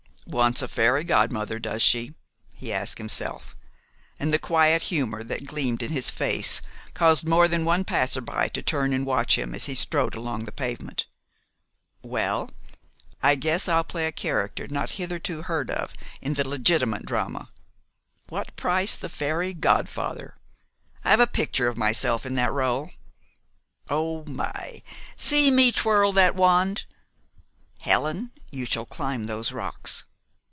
"Wants a fairy godmother, does she?" he asked himself, and the quiet humor that gleamed in his face caused more than one passerby to turn and watch him as he strode along the pavement. "Well, I guess I'll play a character not hitherto heard of in the legitimate drama. What price the fairy godfather? I've a picture of myself in that rôle. Oh, my! See me twirl that wand! Helen, you shall climb those rocks.